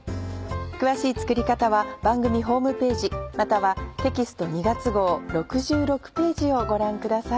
詳しい作り方は番組ホームページまたはテキスト２月号６６ページをご覧ください。